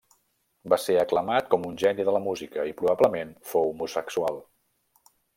Va ser aclamat com un geni de la música, i probablement fou homosexual.